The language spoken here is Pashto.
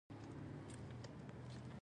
ځه غولی خپل کار کوه